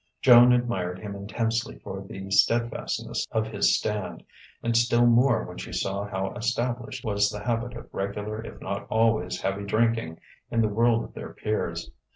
Joan admired him intensely for the steadfastness of his stand, and still more when she saw how established was the habit of regular if not always heavy drinking in the world of their peers.